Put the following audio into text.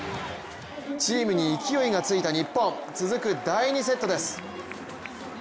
チームに勢いがついた日本続く、第２セットです。